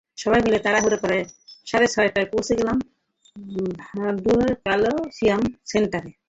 সবাই মিলে তাড়াহুড়া করে সাড়ে ছটায় পৌঁছে গেলাম ভ্যাঙ্কুভার কলেসিয়াম সেন্টারে।